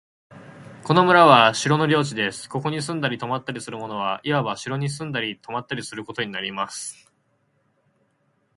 この村は城の領地です。ここに住んだり泊ったりする者は、いわば城に住んだり泊ったりすることになります。